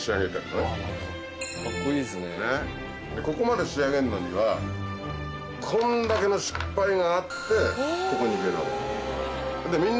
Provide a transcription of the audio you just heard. ここまで仕上げるのにはこんだけの失敗があってここに行けるわけ。